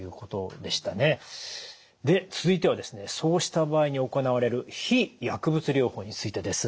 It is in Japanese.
で続いてはそうした場合に行われる非薬物療法についてです。